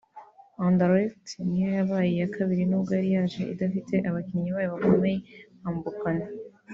Anderlect niyo yabaye iya kabiri n’ubwo yari yaje idafite abakinnyi bayo bakomeye nka Mbokani